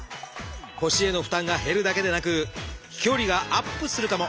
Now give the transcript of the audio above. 腰への負担が減るだけでなく飛距離がアップするかも！